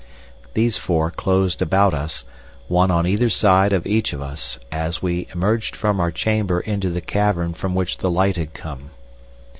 These four closed about us, one on either side of each of us, as we emerged from our chamber into the cavern from which the light had come.